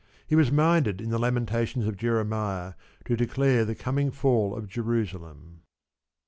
He was minded in the Lamentations of Jeremiah to declare the coming fall of Jerusalem.